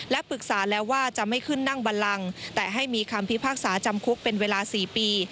และปรึกษาแล้วว่าจะไม่ขึ้นนั่งบันลังแต่ให้มีคำพิพากษาจำคุกเป็นเวลา๔ปี